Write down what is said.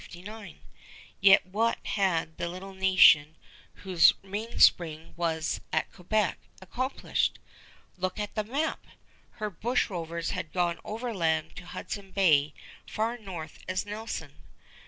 Yet what had the little nation, whose mainspring was at Quebec, accomplished? Look at the map! Her bushrovers had gone overland to Hudson Bay far north as Nelson.